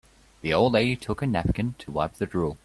The old lady took her napkin to wipe the drool.